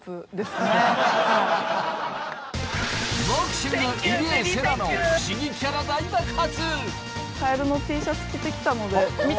ボクシング入江聖奈の不思議キャラ大爆発！